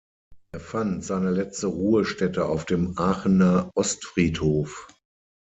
Er fand seine letzte Ruhestätte auf dem Aachener Ostfriedhof.